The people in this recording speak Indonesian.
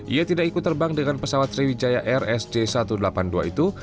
ia tidak ikut terbang dengan pesawat sriwijaya rsj satu ratus delapan puluh dua itu